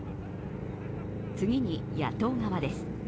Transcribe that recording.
次に、野党側です。